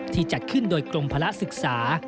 จัดขึ้นโดยกรมภาระศึกษา